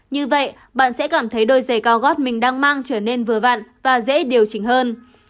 như vậy bạn sẽ cảm thấy đôi giày cao gót mình đang mang trở nên vừa vặn và dễ điều chỉnh hơn